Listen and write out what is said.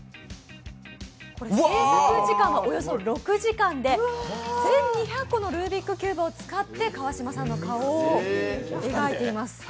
制作時間はおよそ６時間で１２００個のルービックキューブを使って川島さんの顔を描いています。